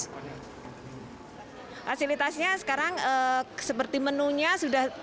fasilitasnya sekarang seperti menunya sudah